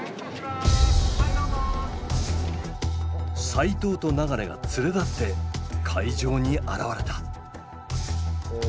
齋藤と流が連れ立って会場に現れた。